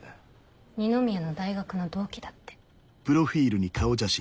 二宮の大学の同期だって。